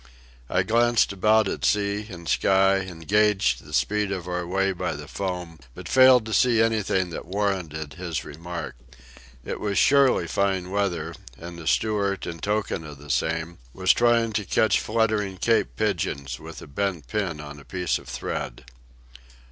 I glanced about at sea and sky and gauged the speed of our way by the foam, but failed to see anything that warranted his remark. It was surely fine weather, and the steward, in token of the same, was trying to catch fluttering Cape pigeons with a bent pin on a piece of thread.